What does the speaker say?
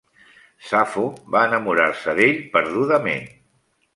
Safo va enamorar-se d'ell perdudament.